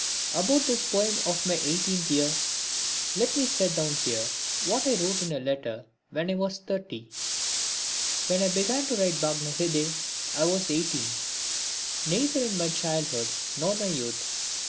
About this poem of my eighteenth year let me set down here what I wrote in a letter when I was thirty: When I began to write the Bhagna Hriday I was eighteen neither in my childhood nor my youth.